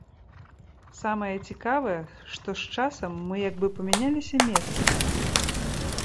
Самае цікавае, што з часам мы як бы памяняліся месцамі.